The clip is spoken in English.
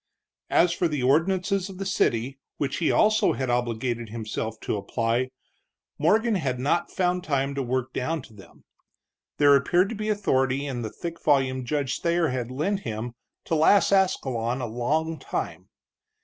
As for the ordinances of the city, which he also had obligated himself to apply, Morgan had not found time to work down to them. There appeared to be authority in the thick volume Judge Thayer had lent him to last Ascalon a long time.